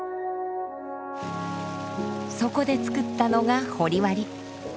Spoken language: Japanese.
そこで造ったのが掘割。